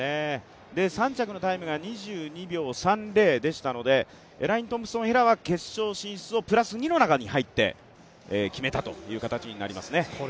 ３着のタイムが２２秒３０でしたのでエライン・トンプソン・ヘラは決勝進出をプラス２の中に入って決めたという形になりますね。